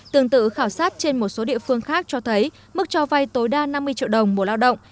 tương tự khảo sát trên một số địa phương khác cho thấy mức cho vay tối đa năm mươi triệu đồng một lao động